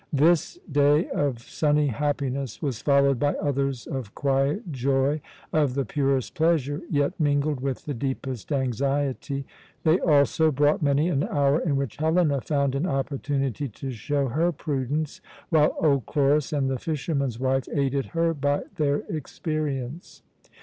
This day of sunny happiness was followed by others of quiet joy, of the purest pleasure, yet mingled with the deepest anxiety. They also brought many an hour in which Helena found an opportunity to show her prudence, while old Chloris and the fisherman's wife aided her by their experience.